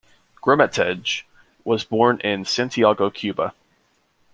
Gramatges was born in Santiago, Cuba.